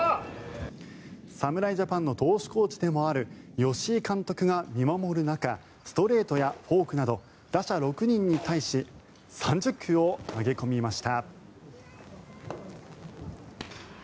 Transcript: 侍ジャパンの投手コーチでもある吉井監督が見守る中ストレートやフォークなど打者６人に対し３０球を投げ込みました。